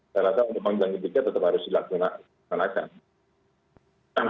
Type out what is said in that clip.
saya rasa pemanggilan ketiga tetap harus dilaksanakan